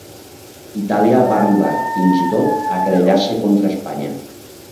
Itàlia va arribar fins i tot a querellar-se contra Espanya.